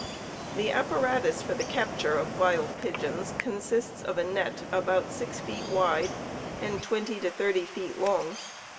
The apparatus for the capture of wild pigeons consists of a net about six feet wide and twenty to thirty feet long.